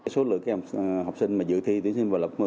số lượng học sinh mà dự thi tiến sinh vào lớp một mươi